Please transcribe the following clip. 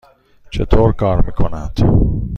چطور کار می کند؟